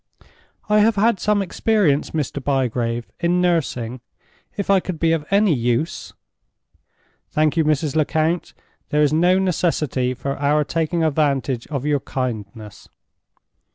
"I have had some experience, Mr. Bygrave, in nursing. If I could be of any use—" "Thank you, Mrs. Lecount. There is no necessity for our taking advantage of your kindness."